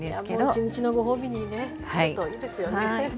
一日のご褒美にねちょっといいですよね。